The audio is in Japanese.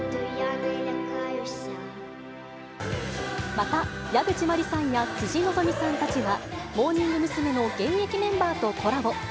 また、矢口真里さんや辻希美さんたちは、モーニング娘。の現役メンバーとコラボ。